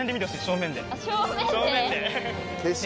正面で。